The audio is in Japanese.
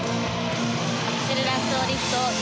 アクセルラッソーリフト。